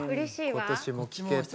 今年も聴けて。